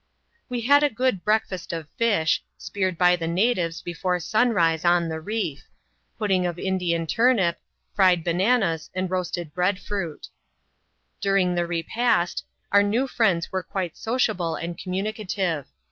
We had a good breakfast of fish — speared by the natives, before sunrise^ on the reef — pudding of Indian turnip, fried bananas, and roasted bread fruit. , During the repast, our new friends "were quite sociable and conamunicative.